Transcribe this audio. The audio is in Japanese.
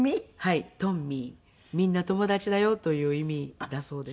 みんな友達だよという意味だそうです。